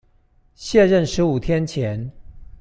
卸任十五天前